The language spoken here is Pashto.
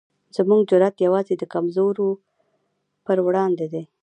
زموږ جرئت یوازې د کمزورو پر وړاندې دی.